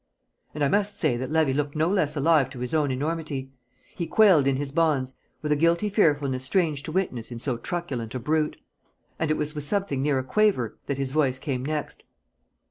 And I must say that Levy looked no less alive to his own enormity; he quailed in his bonds with a guilty fearfulness strange to witness in so truculent a brute; and it was with something near a quaver that his voice came next.